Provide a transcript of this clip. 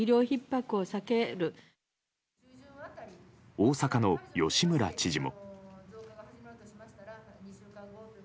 大阪の吉村知事も。